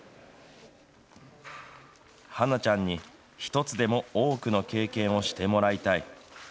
羽華ちゃんに一つでも多くの経験をしてもらいたい。